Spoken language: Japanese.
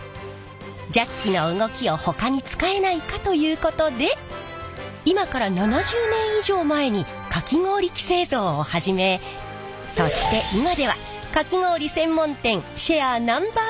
ジャッキの動きをほかに使えないかということで今から７０年以上前にかき氷機製造を始めそして今ではかき氷専門店シェアＮｏ．１の会社に。